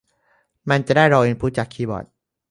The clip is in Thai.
มันจะได้รออินพุตจากคีย์บอร์ด